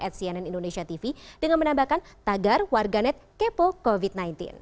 at cnn indonesia tv dengan menambahkan tagar warganet kepo covid sembilan belas